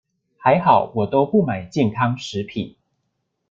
還好我都不買健康食品